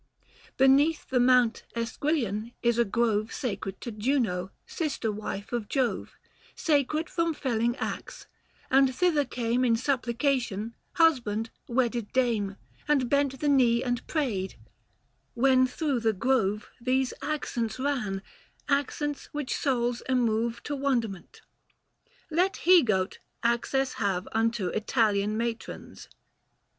Beneath the Mount Esquilian is a grove Sacred to Juno, sister wife of Jove, Sacred from felling axe, and thither came In supplication — husband, wedded dame, 455 And bent the knee and prayed; when through the grove These accents ran — accents which souls emove To wonderment :" Let He goat access have Unto Italian matrons."